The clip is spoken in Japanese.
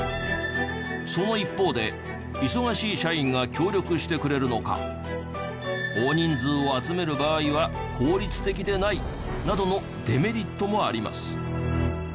その一方で忙しい社員が協力してくれるのか大人数を集める場合は効率的でないなどのデメリットもあります。